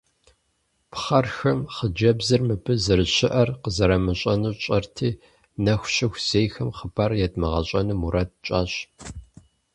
Пхъэрхэм хъыджэбзыр мыбы зэрыщыӀэр къызэрамыщӀэнур тщӀэрти, нэху щыху зейхэм хъыбар едмыгъэщӀэну мурад тщӀащ.